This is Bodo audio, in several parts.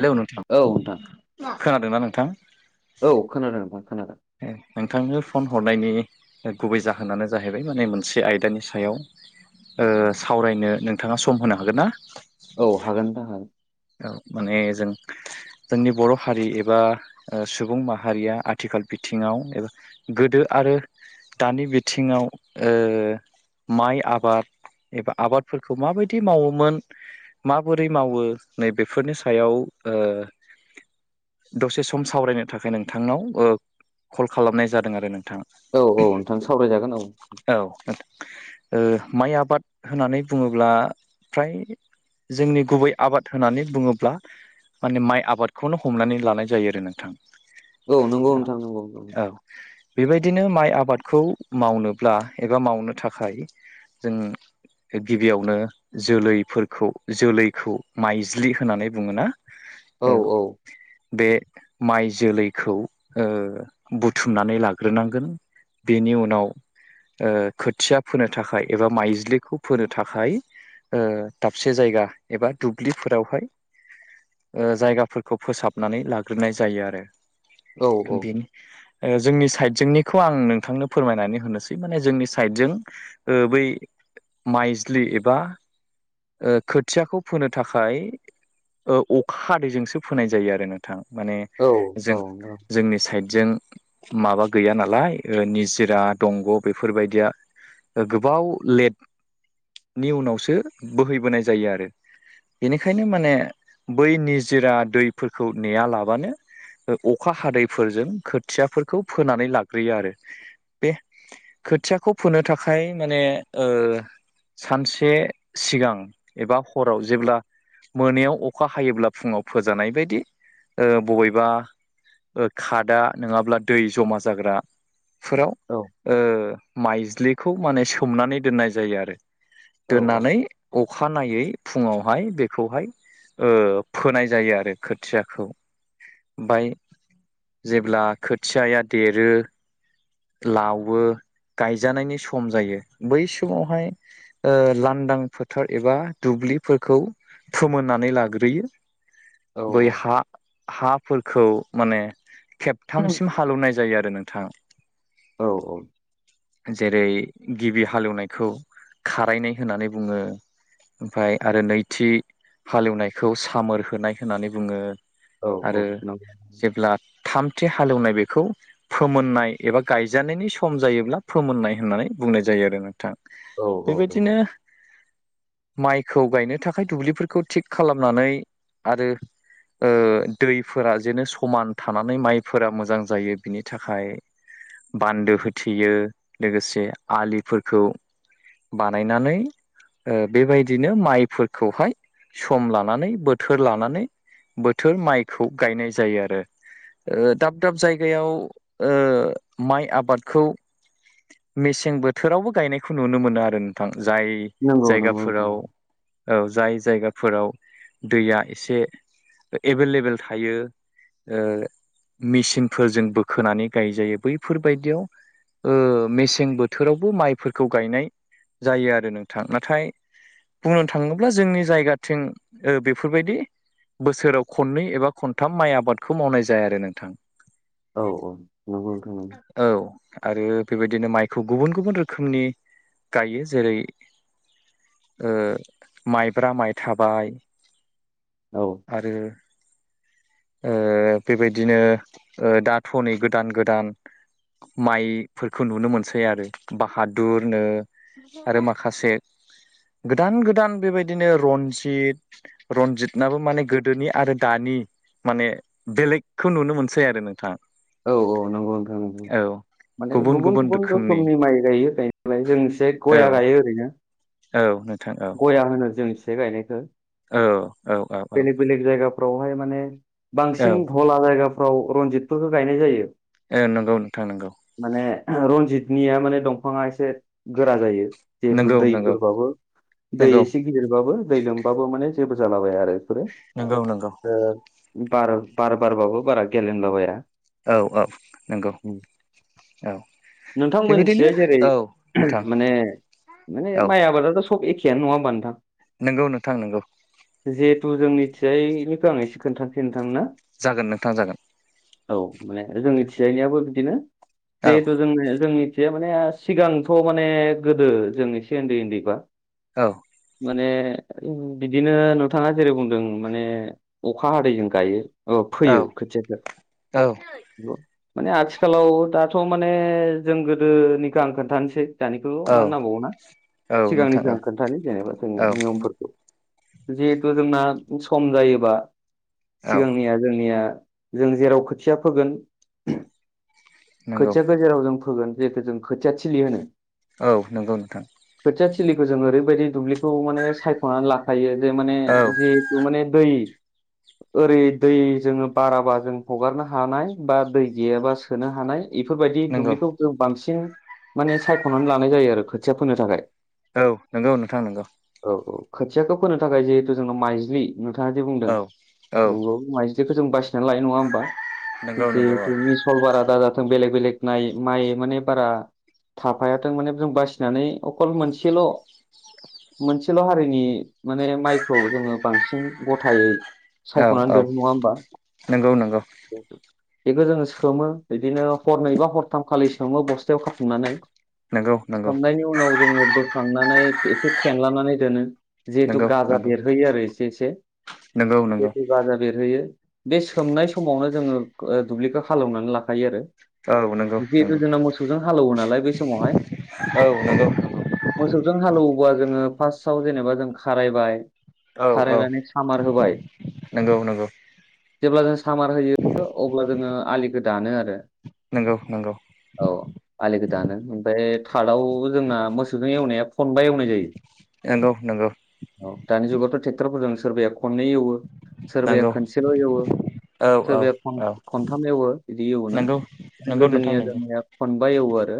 हेलौ नोंथां खोनादोंना नोंथां? औ खोनादों नोंथां खोनादों नोंथांनो फन हरनायनि गुबै जाहोनानो जाहैबाय माने मोनसे आयदानि सायाव ओ सावरायनो नोंथाङा सम होनो हागोन ना? औ हागोन दा‌ हा औ‌ माने जों जोंनि बर' हारि एबा ओ सुबुं माहारिया आथिखाल बिथिङाव एबा गोदो आरो दानि बिथिङाव ओ माइ आबाद एबा आबादफोरखौ माबायदि मावोमोन माबोरै मावो नैबेफोरनि सायाव ओ‌ दसे सम सावरायनो थाखाय नोंथांनाव ओ कल खालामनाय जादों आरो नों औ औ नोंथां सावरायजागोन औ औ ओ माइ आबाद होननानै बुङोब्ला फ्राय जोंनि गुबै आबाद होननानै बुङोब्ला माने माइ आबादखौनो हमनानै लानाय जायो आरो नोंथां औ नंगौ नोंथां नंगौ औ बेबायदिनो माइ आबादखौ मावनोब्ला एबा मावनो थाखाय जों गिबियावनो जोलैफोरखौ जोलैखौ माइज्लि होननानै बुङोना औ औ बे माइ जोलैखौ ओ‌ बुथुमनानै लाग्रोनांगोन बेनि उनाव ओ‌ खोथिया फोनो थाखाय एबा माइज्लिखौ फोनो थाखाय ओ दाबसे जायगा एबा दुब्लिफोरावहाय ओ जायगाफोरखौ फोसाबनानै लाग्रोनाय जायो आरो औ बेनो ओ जोंनि साइथजोंनिखौ आं नोंथांनो फोरमायनानै होनोसै माने जोंनि साइथजों ओ बै माइज्लि एबा ओ खोथियाखौ फोनो थाखाय ओ अखा हादैजोंसो फोनाय जायो आरो नोंथां माने औ जों औ नंगौ। जोंनि साइड जों माबा गैया नालाय निजिरा दंग' बेफोरबायदिया गोबाव लेटनि उनावसो बोहैबोनाय जायो आरो। बेनिखायनो माने बै निजोरा दैफोरखौ नेया लाबानो। अखा हादैफोरजों खोथियाफोरखौ फोनानै लाग्रोयो आरो बे खोथियाखौ फोनो थाखाय माने ओ सानसे सिगां एबा हराव जेब्ला मोनायाव अखा हायोब्ला फुङाव फोजानाय बायदि ओ बबेबा। ओ खादा नङाब्ला दै जमा जाग्रा। फोराव औ ओ माइज्लिखौ माने सोमनानै दोननाय जायो आरो। औ दोननानै अखानायै फुङावहाय बेखौहाय ओ फोनाय जायो आरो खोथियाखौ। ओमफाय जेब्ला खोथियाया देरो। लावो। गायजानायनि सम जायो बै समावहाय ओ लांदां फोथार एबा दुब ब्लिफोरखौ फोमोननानै लाग्रोयो। औ बै हा हाफोरखौ माने। खेबथामसिम हालेवनाय जायो आरो नोंथाङ। औ औ जेरै गिबि हालेवनायखौ खारायनाय होननानै बुङो। ओमफाय आरो नैथि हालेवनायखौ सामोर होनाय होननानै बुङो। औ औ आरो औ नंगौ जेब्ला थामथि हालेवनाय बेखौ फोमोननाय। एबा गायजानायनि सम जायोब्ला फोमोननाय होननानै बुंनाय जायो आरो। नोंथां औ औ। बेबायदिनो माइखौ गायनो थाखाय दुब्लिफोरखौ थिग खालामनानै आरो। ओ दैफोरा जेनो समान थानानै माइफोरा मोजां जायो बिनि थाखाय। बान्दो होथेयो लोगोसे आलिफोरखौ। बानायनानै। ओ बेबायदिनो माइफोरखौहाय सम लानानै बोथोर लानानै। बोथोर माइखौ गायनाय जायो आरो ओ दाब दाब जायगायाव ओ माइ आबादखौ मेसें बोथोरावबो गायनायखौ नुनो मोनो आरो नोंथां। जाय नंगौ नंगौ नोंथां जायगाफोराव। औ जाय जायगाफोराव दैया एसे एभेलेबेल थायो। ओ मेसिनफोरजों बोखोनानै गायजायो। बैफोरबायदियाव ओ मेसें बोथोरावबो माइफोरखौ गायनाय जायो आरो नोंथां नाथाय बुंनो थाङोब्ला जोंनि जायगाथिं ओ बेफोरबायदि बोसोराव खननै एबा खनथाम माइ आबादखौ मावनाय जाया आरो नोंथां। औ औ। नंगौ नोंथां नंगौ। औ आरो बेबायदि बिदिनो माइखौ गुबुन गुबुन रोखोमनि गायो जेरै ओ माइब्रा माइ थाबाय औ आरो ओ बेबायदिनो ओ दाथ'नै गोदान गोदान। माइफोरखौ नुनो मोनसै आरो बाहादुरनो आरो माखासे। गोदान गोदान बेबायदिनो रनजित रनजितनाबो माने गोदोनि आरो दानि। माने बेलेगखौ नुनो मोनसै आरो नोंथाङा। औ- औ- नंगौ नोंथां नंगौ। माने गुबुन गुबुन रोखोमनि माइ गायो गायनोलाय जों एसे औ गया रायो ओरैनो। औ नोंथां औ गया होनो जों इसे गायनायखौ। औ -औ -औ -औ-। फोरावहाय माने औ बांसिन धला जायगाफ्राव रनजितफोरखौनो गायनाय जायो। ए नंगौ नोंथां नंगौ। माने रनजितनिया माने दंफाङा एसे गोरा जायो जिहेथु नंगौ नंगौ दैफोरबाबो दै नंगौ एसे गिदिरबाबो दै लोमबाबो माने जेबो जालाबायाया आरो बेफोरो नंगौ नंगौ बार बार बारबाबो बारा गेलेेनलाबाया औ औ नंगौ औ। नोंथां बेबायदिनो मोनथिजाय जेरै औ नोंथां माने माने माइ आबादाथ' सब एखेयानो नङा ओमबा नोंथां नोंगौ नोंथां नोंगौ। जिहेथु जोंनिथिजायनिखो आं एसे खोन्थानोसै नोंथां नो जागोन नोंथां जागोन। औ माने जोंनि थिजायनाययाबो बिदिनो औ जिहेथु जों जोंनि जे माने सिगांथ' माने गोदो जों एसे ओन्दै ओन्दैबा औ। माने बिदिनो नोंथाङा जेरै बुंदों माने अखा हादैजों गायो। औ फैयो खोथियाखो। औ‌। माने आथिखालाव दाथ' माने जों गोदोनिखो आं खोन्थानोसै। दानिखौ औ मा नांबावगौ ना। औ नोंथां सिगांनिखो औ आं खोन्थानो जेनेबा जोंनि औ नियमफोरखौ। जिहेथु जोंना सम जायोबा औ सिगांनिया जोंनिया जों जेराव खोथिया फोगोन नंगौ खोथियाखौ जेराव जों फोगोन जेखो जों खोथिया थिलि होनो‌। औ नोंगौ नोंथां। खोथिया थिलिखौ जों ओरैबायदि दुब्लिखौ माने सायख'ना लाखायो। माने औ जिहेतु माने दै ओरै दै जोङो बाराबा जों हगारना हानाय बा दै गैयाबा सोनो हानाय इफोरबायदि नंगौ दुब्लिखौ जों बांसिन माने सायख'नानै लानाय जायो आरो खोथिया फोनो थाखाय। औ नोंगौ नोंथां नैंगौ। औ खोथियाखौ फोनो थाखाय जिहेथु जोंन माइज्लि नोंथाङा दि बुंदों औ औ नंगौ माइ खो जों बासिना लायो नङा होमबा नंगौ नंगौ जिहेथु मिसल बारा दाजा थों बेलेग बेलेग नाइ माइ माने बारा थाफायाथों माने जों बासिनानै अकल मोनसेल' मोनसेल' हारिनि माने माइखौ जोङो बांसिन गथायै औ औ सायख'नानै औ दोन नङा होमबा नंगौ नंगौ बेखो जोङो सोमो बिदिनो हरनै बा हरथामखालि सोमो बस्थायाव खाथुमनानै। नंगौ नंगौ सोमनायनि उनाव जोङो बोखांनानै एसे खेनलानानै दोनो जिहेथु नंगौ गाजा नंगौ बेरहोयो आरो एसे एसे नंगौ नंगौ जिहेथु गाजा बेरहोयो। बे सोमनाय समावनो जोङो ओ दुब्लिखौ हालेवनानै लाखायो आरो। औ नंगौ जिहेथु नंगौ जोंना मोसौजों हालौवो नालाय बै समावहाय औ नोंगौ नोंगौ। अवा जोङो फार्स्टआव जेनेबा जों खारायबाय औ औ खारायनानै सामार होबाय नंगौ नंगौ जेब्ला जों सामार होयो अब्ला जोङो आलिखौ दानो आरो। नंगौ नंगौ औ आलिखो दानो ओमफाय दाउ जोंना मोसौजों एवनाया खनबा एवनाय जायो। नंगौ नंगौ औ दानि जुगावथ' ट्रेक्टरफोरजों सोरबाया खननै एवो सोरबाया नंगौ खोनसेल' एवो औ औ सोरबाया खन औ खनथाम एवो बिदि एवोना नंगौ नंगौ नोंथां गोदोनिया नंगौ जोंनिया खनबा एवो गौ आरो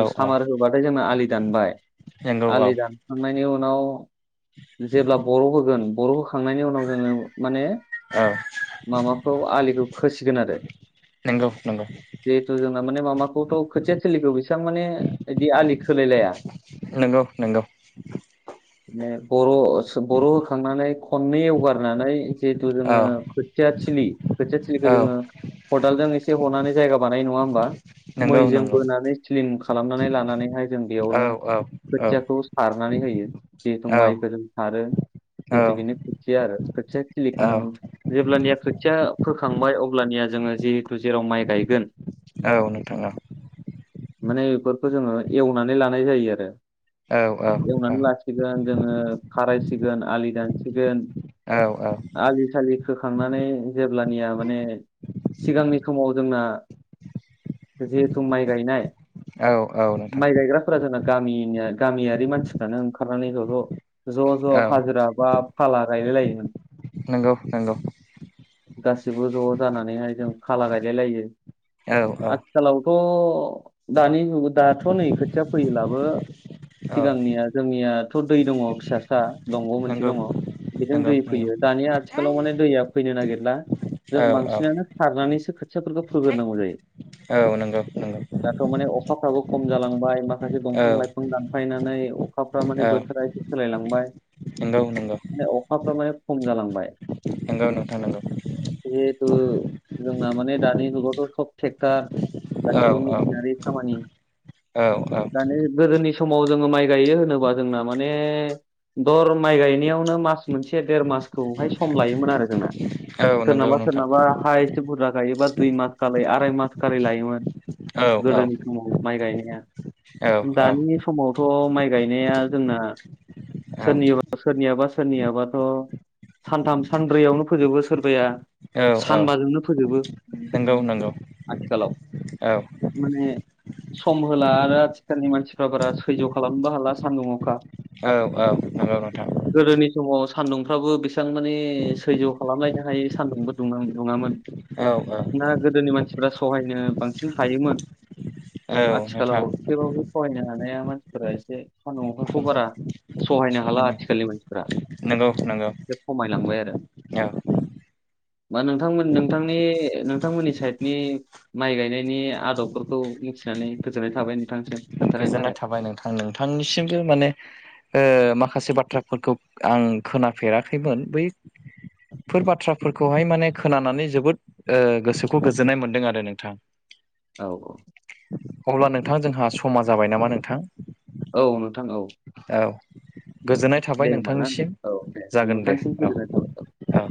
औ औ सामार होबाथाय जोङो आलि दानबाय नंगौ औ आलि दानखांनायनि उन नाव जेब्ला बर' होगोन बर' हो खांनायनि उनाव जोङो माने औ माबाखौ आलिखौ खोसिगोन आरो नंगौ जिहेथु जोंना माने माबाखौथ' खोथिया थोलिखौ बेसेबां माने बिदि आलि खोलायलाया नोंगौ नोंगौ माने बर' बर' होखांनानै खननै एवगारनानै जिहेथु जोङो औ खो खोथिया थोलि खोथिया थोलिखौ औ जोङो खदालजों एसे हनानै जायगा बानायो नङा होनबा। नंगौ मैजों नंगौ बोनानै सिलिम खालामनानै लानानैहाय जों औ बेयावनो औ औ खोथियाखौ सारो। नानै होयो। जिहेतु माइफोर सारो जितुखिनि खोथिया आरो खोथिया औ खिलिखांजोब अब्लानिया खोथिया फोखांबाय अब्लानिया जोङो जिहेतु जेराव माइ गायगोन औ नोंथां औ माने बेफोरखौ जोङो एवनानै लानाय जायो आरो। औ औ एवनानै लासिगोन जोङो खारायसिगोन आलि दानसिगोन। औ औ आलि सालि खोखांनानै जेब्लानिया माने सिगांनि समाव जोंना। जिहेथु माइ गायनाय औ औ नोंथां माइ गायग्राफोरा जोंना गामिनिया गामियारि मानसिफ्रानो ओंखारनानै ज' ज' ज' ज' औ हाजिरा बा फाला गायलाय लायो। नोंगौ नोंगौ गासिबो ज' जानानैहाय जों फाला गायलाय लायो। औ औ थ' दानि जुग दाथ' नै खोथिया फैयोब्लाबो औ सिगांनिया जोंनियाथ' दै दङ फिसा सा दंग' मोनसे नंगौ दङ बेजों नंगौ दै नंगौ फैयो दानिया आथिखालाव माने दैया फैनो नागिरला जों औ औ बांसिनानो खारनानैसो खोथियाफोरखौ फोग्रोनांगौ जायो। औ नंगौ नंगौ दाथ' माने अखाफ्राबो खम जालांबाय मा माखासे औ दंफां लाइफां दानफायनानै अखाफ्रा माने औ बोथोरा एसे सोलायलांबाय। नंगौ नंगौ अखाफ्रा माने खम जालांबाय नंगौ नोंथां नंगौ जिहेतु जोंना माने दानि जुगाव सब थेकथार औ गासिबो औ मेसिनारि खामानि औ दानो गोदोनि समाव जोङो माइ गायो होनोबा जोंना माने दर माइ गायनायावनो मास मोनसे देर मासखौहाय सम लायोमोन आरो जोंना औ औ नंगौ सोरनाबा नोंथां सोरनाबा हाइस्ट बुरजा गायोबा दुइ मास आराय मास खारै लायोमोन। औ औ गोदोनि समाव माइ गायनाया औ दानि समाव थ' माइ गायनाया जोंना सोरनि सोरनियाबा सोरनियाबाथ' सानथाम सानब्रैयावनो फोजोबो सोरबाया औ औ सानबाजोंनो फोजोबो नंगौ नंगौ आथिखालाव औ माने सम होला आरो आथिखालनि मानसिफ्रा बारा सैज्य' खालामनोबो हाला सानदुं अखा। औ औ नंगौ नोंथां। गोदोनि समाव सान्दुंफ्राबो बेसां माने सैज्य' खालामलायनो हायै सान्दुंबो दुङो दुङामोन। औ ना गोदोनि मानसिफ्रा सहायनो बांसिन हायोमोन। औ आथिखालाव नोंथां थेबाबो सहायनो हानाया मानसिफोरा एसे सान्दुं अखाखौ बारा सहायनो हाला आथिखालनि मानसिफोरा। नोंगौ नोंगौ। [inaudible] खमायलांबाय आरो। मा नोंथांमोन नोंथांनि नोंथांमोननि साइडनि माइ गायनायनि आदबफोरखौ खौ मिथिनानै गोजोननाय थाबाय नोंथांसिम। खोन्थानायनि गोजोनाय थाखाय थाबाय नोंथां नोंथांनिसिमबो माने ओ माखासे बाथ्राफोरखौ आं खोनाफेराखैमोन बै फोर बाथ्राफोरखौहाय माने खोनानानै जोबोद ओ गोसोखौ गोजोननाय मोनदों आरो नोंथां। औ अब्ला नोंथां जोंहा समा जाबाय नामा नोंथां? औ नोंथां औ। औ गोजोननाय थाबाय दे होमबा ना नोंथांनिसिम नोंथां? औ दे जागोन दे नोंथांसिम गोजोननाय थाबाय औ। औ